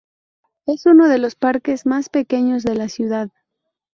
Es uno de los parques más pequeños de la ciudad.